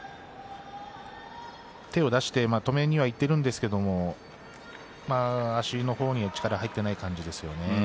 手を出して止めにはいっているんですが足の方に力が入っていない感じですね。